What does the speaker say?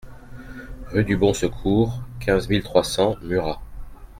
Rue du Bon Secours, quinze mille trois cents Murat